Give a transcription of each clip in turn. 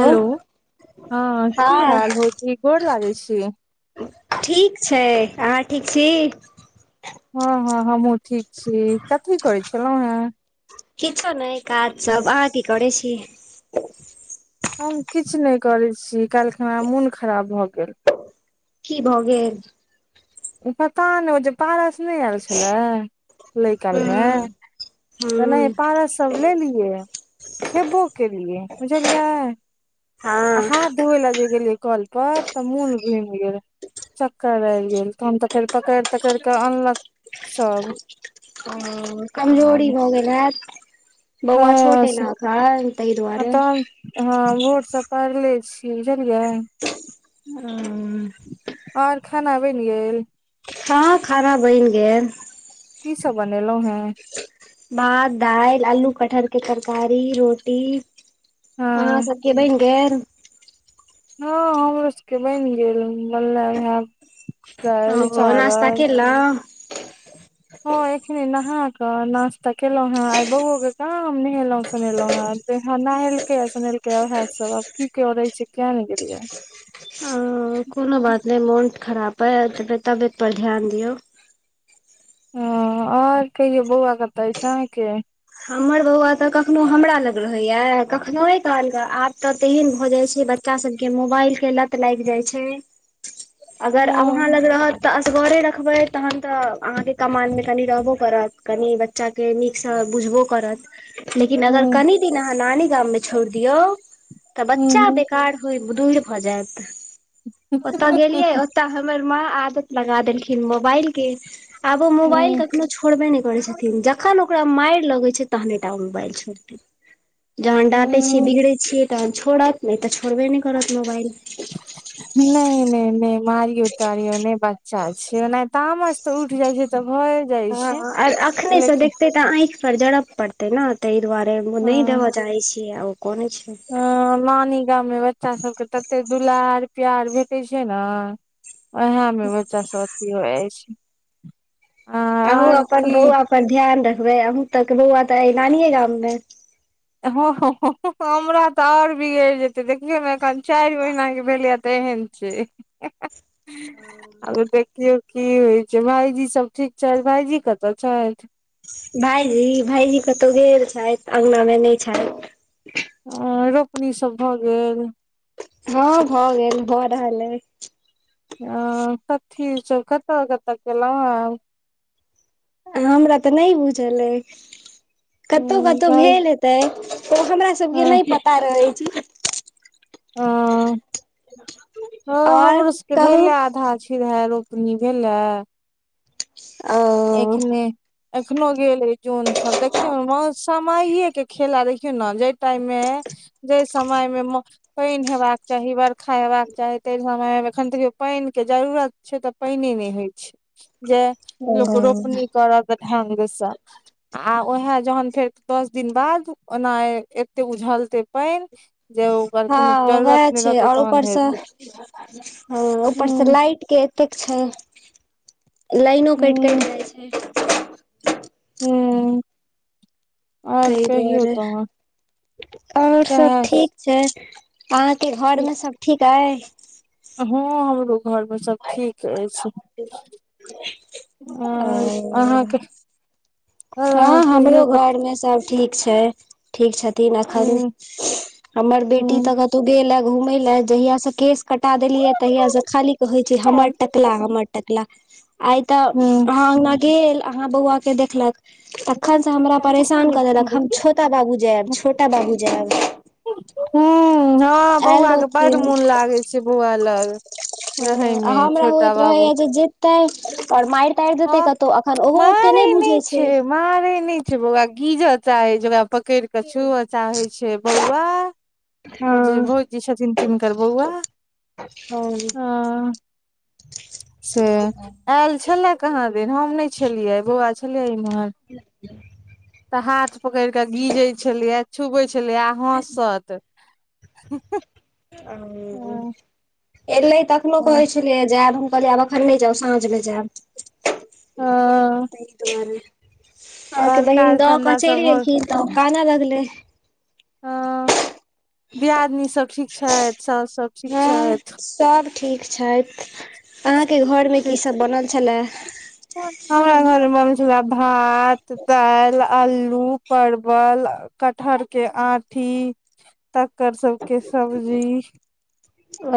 hello हँ की हाल भौजी गैर लागै छ ठीक छै अहाँ ठीक छ हँ हँ हमहुँ ठीक छी कथी करै छलहुँं हे किछो नहि काज सब अहाँ की करै छ [unintelligible] हम किछु नहि करैत छी काल्हि ख हमरा मोन खराब भऽ गे की भ गेल पता नहि जे पारस नहि आयल छले लै काल मे हूँ तऽ हूँ नहि पारस स लेलियए खेबो केलिए बुझलिय हँ हाथ धोय लए जे गेलियै कल पर त मून घुमि गेल चक्कर आ गे तहन त फेर पकड़ि तकड़ कऽ अनलक सब ओ कमजोरी आर भ गेल हैत बौआ छोटे ह न ह ताहि आ दुआर तहन हँ वोटसभ पारि ले छी बुझलिय ह ओर खाना बनि गेल ह खरा बनि गेल की सब बनेलहुं हे भाँत दाल आलू कटहर के तरकारी रोटी अहाँ हँ सभके बेन गेल ह हमरो सबके बनि गेल बनल ह दालि चावल हेला ह एखनी नहा क नास्ता केलो हे आइ बौओ के काम नहेलों सुोनेलहुं हे तहाँ नहेलकै आ सुनेलकेह सब आब की करे छै किया ने गेलिये ओ कोनो बात ने मोन खराप ह तबियत पर ध्यान दियऔ आओर कहियो बौआ कते छै अहाँके हमर बौआ तऽ कखनो हमरा लग रहैया कखनो कालक आब तऽ तेहन भऽ जाइत छै बच्च बच्चा सब के मोबाइल के लत लागि जाय छै [inaudible] अगर अब अहाँ हँ लग रहत तऽ असगरे रखबै तहन तऽ अहाँके कमानमे कनि रहबो करत कनि बच्चाके नीकसँ बुझवो करत लेकिन अगर हँ कनी दिन अहाँ नानी गाम मे छोड़ी दियो तऽ हँ बच्चा हँ बेकार होइ दूर भऽ जायत ओतय गेलियै तऽ हमर माँ आदत लगा देलखिन मोबाइल के आब ओ मोबाइल हँ हँ कखनो छोड़बे नहि करै छथिन जखन ओकरा मारि लगै छै तहनेटा ओ मोबाइल छोड़तन जहन डाँटे छियै हँ बिगड़ै छियै तहन छोड़त नहि तऽ छोड़बे नहि करत मोबाइल नहि नहि नहि मारियो तारियो नहि बच्चा छै ओ नहि तामस तऽ उठ जाइ छै तऽ भए जाइ छै हँ आर अखने से लेकिन देखते तऽ आँखि पर जरब पड़ते ने ताहि दुआरे नहि देबऽ चाहे छीयै आ ओ कोन छै ह नानी गाममे बच्चा सब के तते दुलार प्यार भेटे छै ने उएह में बच्चा सब हो छै आ अहूँ आर अपन की बौआ पर ध्यान रखबै अहूँ तऽ बौआ तऽ एलानीे गाम मे हँ हमरा तऽ आओर बिगड़ि जेतै देखियौ ने एखन चारि महिनाके भेलैए तै हेम छै ह ह आगूं देखियौ की होइ छै भायजी सब ठीक छथि भाायजी कतऽ छथि भायजी भायजी कतहु गेल छथि अंगना मे नहि छथि रोपनीसभ भऽ गेल हँ भऽ गेल भऽ रहल हइ आ कथी छ कतऽ कतऽ केलहुँ ह हमरा तऽ नहि बुझल अ कतहु कतहु हुं भेल हेतै ओ हमरा सबके हँ नहि पता रहै छै ह ह आओर हमरो सबके कहू भेले आधा छै फिर हा रोपनी भेलए ओ एखने एखनो गेल जौन सब देखियऔ ने म समय के खेला देखियौ ने जय टाइम मे जे समयमे पानि हेबाक चाही बरखा हेबाक चाही ताहि समयमे एखन देखियौ पानिके जरूरत छै तऽ पानने नहि होइत छै जे लोक रोपनी करत ढंगसँ आ उएह जहन फेर दस दिन बाद ओना एते उझलते पानि जे ओकर हँ कोनो जरूरत उएह नहि छै रहतै आओर तहन ऊपरसँ हेतै हँ ऊपर से हूँ लाइट के कतेक छै लाइनो कटि हूँ कटि जाइ छै हू ताहि दुआरे तहन आओर सब सएह ठीक अहाँके घर ठीक मे सब ठीक अइ हँ हमरो घरमे सब ठीक अछि आ अहाँके अ हँ कहियौ हमरो कत घरमे सभ ठीक छै ठीक छथिन एखन [inaudible] हमर बेटी हूँ तऽ कतहु गेलए घूमय लए जहियास से केश कटा देलियै तहियास से खाली कहैत छै हमर हूँ टकला हमर टकला आइ तऽ हूँ अहाँ अगना गेल अहाँ बौआ के देखलक तखन से हमरा परेशान क देलक हम छोटा बाबू जायब छोटा बाबू जायब ह हँ आयल बौआ के बड रहथिन मोन लागे छै बौआ ल आ हमरा होयइत रहेया जे जते और मारि तारि देतै हँ क तऽ अन ओहो ते नहि बुझै छ मारे नहि छै ओकरा गीजे चाहे छै ओकरा पकड़ के छु चाहे छ बौ ओ जे हँ भोजी छथिन तिनकर बौआ हँ ह [inaudible] से आयल छलए कहाँ देर हम नहि छलियै बौआ छलियै इम्ह [inaudible] तऽ हाथ पकड़ कऽ गीजे छलियए छुबै छलिय हसत ह आ एलै तखनो कहै छलियै जायब हम कहलियै आब एखन नहि जाउ साँझ मे जायब [inaudible] त दुरे और अहके बहिन काज दऽ कऽ धंधा सब चलि भ गेलखि तऽ काना लगल हँ दियादनी सब ठीक छथि सासु सब ठीक हँ छथ सब ठीक छथि अहाँके घर मे की सब बनल छल हमरा घरमे मथिलला भात दालि अलू परव कटहर के आठी त्कर सब के सब्ज आ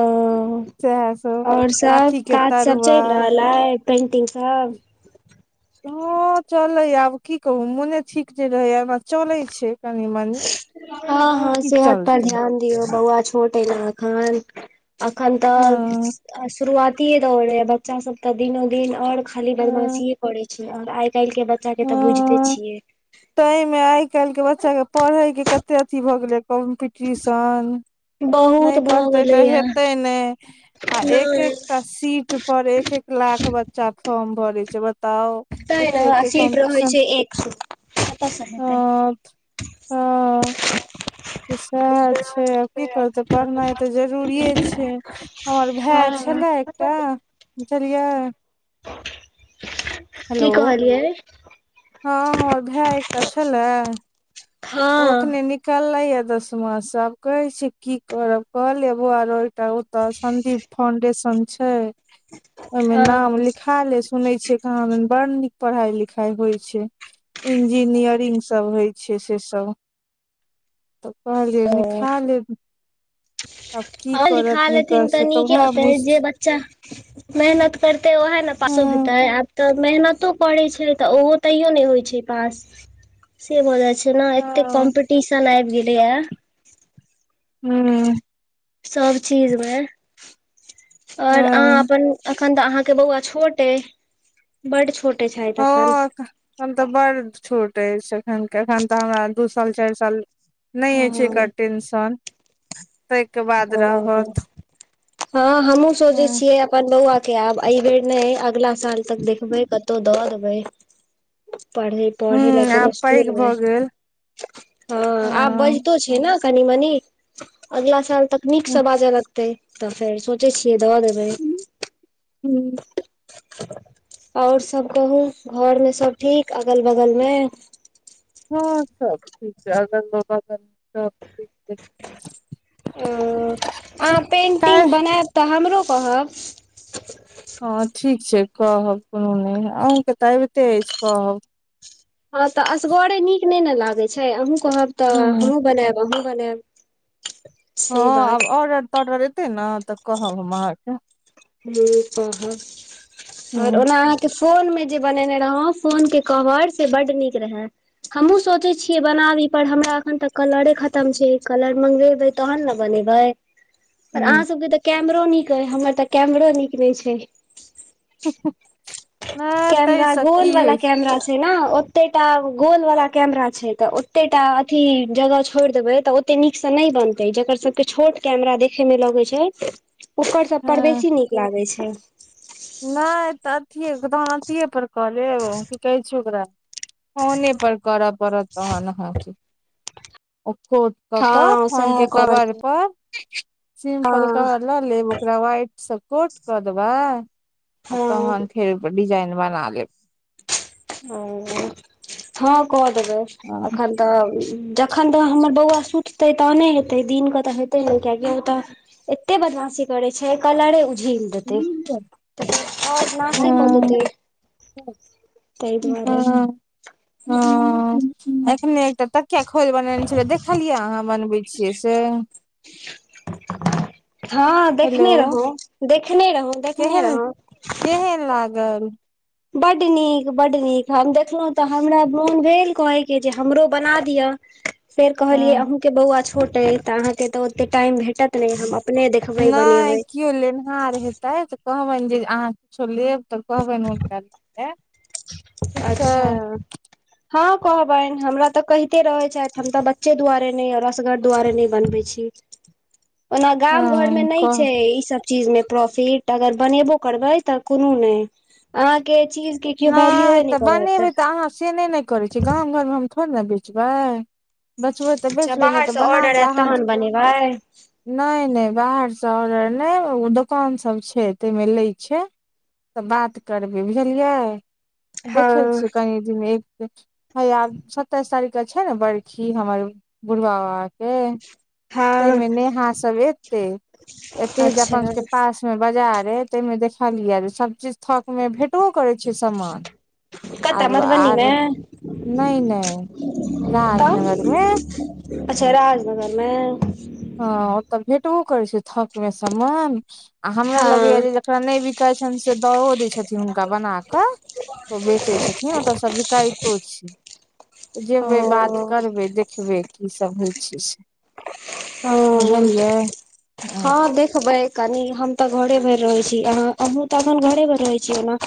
स और सब काज सब चलि रहल हय पेंटिंग स हँ चले आब की कहू मोने ठीक जे रहेया चले छ हँ हँ सेहत पर चलते ध्यान दियौ बौआ छोट ए ने एख अखन तऽ हँ शुरुआतीे दौड़े ये बच्चा सब तऽ दिनो दिन ओर खाली हँ बदमाशीे करै छै आ आइ काल्हि के बच्चा के तऽ बुझिते छिय ताहिमे आइ काल्हिके बच्चाके पढ़यके कतेक अथी भ गेलै कम्पिटिशन बहुत नहि भऽ पढ़तै तऽ गेलैये हेतै नहि आ एक ए नहि एकटा सीट पर एक एक लाख बच्चा फॉर्म भरे छ त तै ने एते आ एते सीट रहै कम्पिटशन छै एक सौ कतऽ सँ हेतै तऽ सएह छै आब की करतै पढ़नाइ तऽ जरूरिे छ हमर भाय हँ छलै एकटा बुझलिय हेलो की कहलियै हँ हमर भाय एकटा छल हँ ओखने निकालले य दसमाास आब कहे छै की करब कहलेबो आर तऽ ओ तऽ सन्दीप फाउंडेशन छ ओहिमे नाम लिखा ले सुनै छिय मे बड़ नीक पढ़ाई लिखाई होइ छै इंजीनियरिंग सब होइ छ से सब तऽ कहलै नि खा ल आ लिखा नहि लेथिन कर त से तऽ नीके उएह होतै बुझ जे बच्चा मेहनत करतेै वएह ने हँ पासो होेतै आ तऽ मेहनतो करैत छै त ओहो तैयो नहि होइ छै पास से ब जाय छै नेएते हँ कम्पीटिशन आबि गेलेए ह सब चीज मे और अहाँ अप एखन तऽ अहाँके बौआ छोटे बड छोटे छथि तख हँ एखन तऽ बडड़ छोट अछि एखन एखन तऽ हमरा दू साल चारि सा नहि अछि छै एकर हँ टेंशन ताहिके बाद रह ओ हँ हमहुँ सोचे छियै अपन बौ के आब एहि बेर ने अगला साल तक देखबै कतौ दऽ देबै पढ़ पढ़े ल ह कोनो आब स्कूल पैघ नहि भऽ गेल हँ आ बजत छ हे ने कनी मनी अगला साल तक नीक से बाजे लगत तऽ फेर सोचै छियै दवा देब हू आओर सब कहू घर मे सब ठीक अगल बगल म हँ सब ठीक छै अगन बाबा सब ठी ओ अहाँ काल्हि पेन्टिंग बनायब तऽ हमरो कह हँ ठीक छै कहब कोनो नहि अहूँके तऽ अबिते अछि कह हँ तऽ असगरे नीक नहि ने लागैत छै अहूँ कहब तऽ हूँ हमहूँ बनायब अहूँ बनाय हँ आब ऑर्डर तडर एतै ने तऽ कहब हम अहक ह कह ह आर ओ के फोन मे जे बनेने रहौ फोन के कवर से बड्ड नीक रय हमहूँ सोचैत छियै बनाबी पर हमरा एखन तऽ कलरे खतम छै कलर मंगबेब तहन ने बनेब [unintelligible] पर अहाँ सबके तऽ कैमरो नीक अइ हमर तऽ कैमरो नीक नहि छ ह कैमरा गोल वलाा छै कैमर ने ओतेटा गोल वाला कैमरा छै तऽ ओतेटा अथी जगह छोड़ देबै त ओते नीक से नहि बनतै जकर सबके छोट कैमरा देखे मे लगैत छ ऊपकर सब पर हँ बेसी नीक लागैत छ नहि तऽ अथि तहन अथिए पर कहले की कहै छै ओकर फोने पर करऽ पड़त तहन ओ खोट क क हँ फोन सएह के कवर करते प सिम्पल हँ कवर लऽ लेब ओकरा व्हाइटसँ कोट कऽ देब आ हँ तहन फेर डिजाइन बना ले ओ हँ क देब आ हँ खा तऽ जखन तऽ हमर बौआ सुततै तखने हेतै दिनके तऽ हेतै ने किियकि ओ त एते बदमाशी करे छै कलरे उझी आओर नास्तिक हँ होतै तहि दुआरे ह हँ एखने एकटा तकिया खोल बनेने छलै देखलियै अहाँ बनबैत छियै स [unintelligible] हँ हेलो देखने रहौ देखने रहौ देखने केहन रह केहन लाग बड्ड नीक बड्ड नीक हम देखलहुँ तऽ हमरा मोन भेल कहयके जे हमरो बना दि फेर हँ कहलियै अहूँके बौआ छोट अइ तऽ अहाँके तऽ ओतेक टाइम भेटत नहि ह अपने देखब बन ह बर हेतै तऽ कहबनि जे अहाँ किछो लेब तऽ कहबनि हुनका ठीक छै अच्छ हँ कहबनि हमरा ते कहिते रहे छथि हम तऽ बच्चे दुआरे सगर दुआारे नहि बनबै छ [unintelligible] ओना गाम घर में हँ नहि कह छै ई स चीज मे प्रॉफिट अगर बनेबो करबै तऽ कोनो ने अहाँ के चीज के क हँ तऽ बनेबै तऽ अहाँ से नहि ने करैत छियै गाम घरमे हम थोड़े ने बेचब बेचबै तऽ बेचबै नहि तऽ बाहरसँ ऑर्डर बनााक आयत अहा तहन बनेबै नहि नहि बाहरसँ ऑर्डर नहि ओ दोकान सब छै ताहिमे लै छ तऽ बात करबै बुझलियै हँ देखै छियै कनि दिनमे एक है आब सत्ताइस तारीखके छै ने बड़खी हमर बुढ़बा बाबाके तय हँ मे नेहा सब एते एते ह जापान अच्छा के पास बाजार अइ ताहिमे देखलियै जे सभ चीज थकमे भेटबो करैत छै सामान कतऽ आर आर मधुबनीमे नहि नहि तऽ राजनगरमे अच्छा राजनगरमे ह ओतऽ भेटबो करै छै थक मे समान आ हमरा लगैय हँ जे रा नहि बिकै छनि से दो दै छथिन हुनका बना कऽ तऽ बेचै छथिन ओतऽ सभ बिकायतो छै ओ जेबै बात करबै देखबै की सब होइ छै से ह बुझलियै हँ देखबै कनि हम तऽ घरे भर रहै छी अह अहहुँ तऽ अपन घरे भर रहै छीय ओना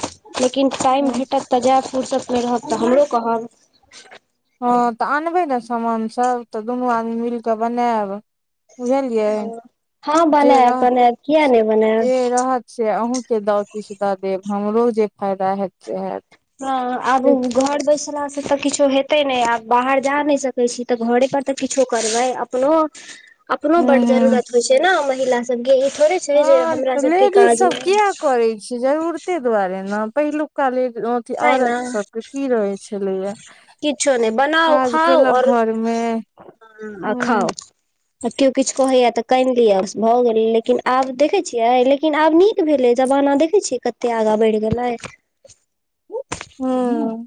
लेकिन टाइम हँ भेटत तजापुर सबमे रहब तऽ हमरो कहब हँ तऽ अनबै ने समानसभ तऽ दुनू आदमी मिल कऽ बनायब बुझलियै हँ जे बनायब रह बनायब किया नहि बनायब जे रह से अहूँके द किछु दऽ देब हमरो जे फायदा हयत से हयत हँ आब घर बैसल तऽ किछो हेतै नहि आब बाहर जा नहि सकैत छी तऽ घरे पर तऽ किछो करबै अपनो [inaudible] अपनो बड हूँ जरूुरत होइ छै ने महिला सबके ई थोड़े छै जे हँ हमरा तऽ सबके काज लेडीजसभ नहि किया करैत छै जरूरते दुआरे ने पहिलुका ले अं अ तै औरत ने सबके की रहै छलैया किछो नहि बनाउ काज खाउ केलक घर मे आओर हूँ खाउ केयो किछु कहेया तऽ कान लिय भऽ गेल लेकिन आब देखे छियै लेकिन आब नीक क भेलै जमाना देखै छियै कते आगा बढ़ि गेलै हँ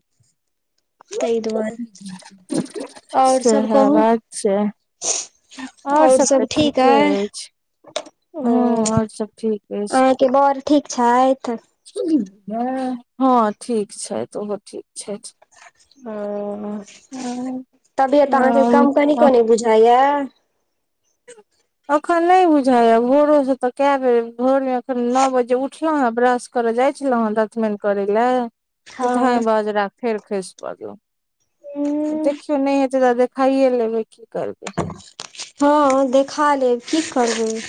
ताहि दुआरे [inaudible] आओर सब सएह कहू बात छै आओर सब तऽ ठीके अछि ह आओर सभ ठीक अछि बर ठीक छै तऽ हँ ठीक छैथ तऽ ओहो ठीक छथि ओ तबियत तऽ अहाँके कम कनी कनी बुझाइया ह अखन नहि बुझाया भोरो से तऽ कए बेज भोर मे एखन नओ बजे उठलहुँ हेँ ब्रश कर जाइ छल हँ दतमिन कर लए कि धाय हँ बजारा फेर खसि परलहुँ देखियौ नहि हेतै तऽ देखाइए लेबै की करबै हँ देखा लेब की करबै